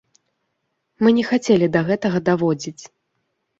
Мы не хацелі да гэтага даводзіць.